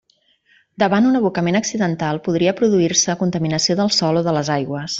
Davant un abocament accidental, podria produir-se contaminació del sòl o de les aigües.